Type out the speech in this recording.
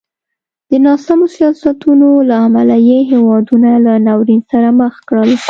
د ناسمو سیاستونو له امله یې هېوادونه له ناورین سره مخ کړل.